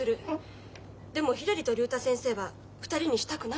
でもひらりと竜太先生は２人にしたくないの。